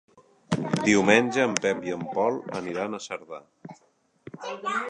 Diumenge en Pep i en Pol aniran a Cerdà.